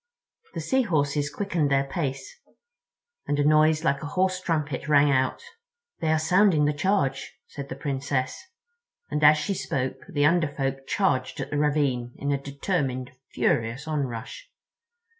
The Sea Horses quickened their pace—and a noise like a hoarse trumpet rang out. "They are sounding the charge," said the Princess; and as she spoke the Under Folk charged at the ravine, in a determined, furious onrush.